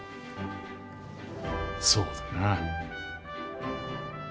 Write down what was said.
そうだな。